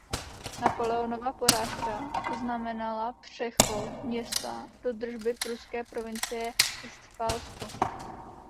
Napoleonova porážka znamenala přechod města do držby pruské provincie Vestfálsko.